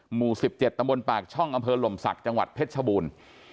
หมู่๑๗ตำบลปากช่องอำเภอหล่มศักดิ์จังหวัดเพชรชบูรณ์